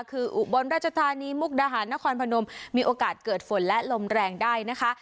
คืออุบลราชธานีมุกดาหารนครพนมมีโอกาสเกิดฝนและลมแรงได้นะคะ